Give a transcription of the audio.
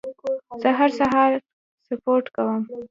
زه هر سهار سپورت کوم.